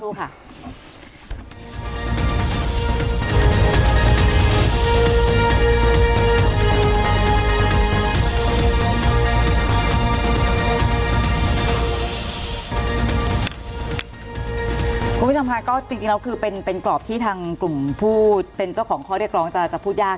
คุณผู้ชมค่ะก็จริงแล้วคือเป็นกรอบที่ทางกลุ่มผู้เป็นเจ้าของข้อเรียกร้องจะพูดยาก